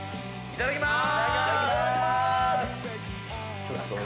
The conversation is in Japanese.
いただきます。